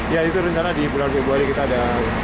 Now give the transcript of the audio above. ya itu rencana di bulan februari kita ada